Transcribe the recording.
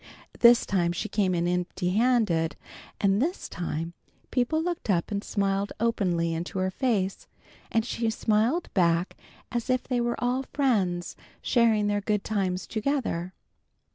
This time she came in empty handed, and this time people looked up and smiled openly into her face, and she smiled back as if they were all friends, sharing their good times together.